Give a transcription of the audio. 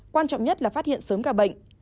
quan trọng nhất là phát hiện sớm ca bệnh